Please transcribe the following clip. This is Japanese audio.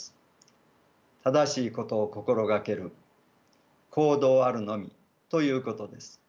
正しいことを心がける行動あるのみということです。